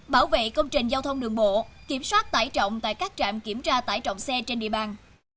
bảo vệ công trình giao thông đường bộ kiểm soát tải trọng tại các trạm kiểm tra tải trọng xe trên địa bàn